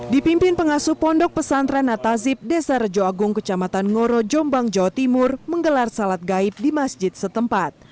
dipimpin pengasuh pondok pesantren atazib desa rejo agung kecamatan ngoro jombang jawa timur menggelar salat gaib di masjid setempat